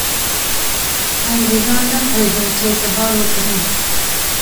انګرېزان نه پوهېدل چې اعتبار وکړي.